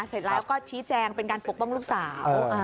เสร็จแล้วก็ชี้แจงเป็นการปกป้องลูกสาว